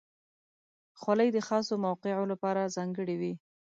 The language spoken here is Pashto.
خولۍ د خاصو موقعو لپاره ځانګړې وي.